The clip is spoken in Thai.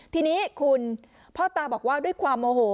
ทีนี้คุณพ่อตาบอกว่าด้วยความโมโห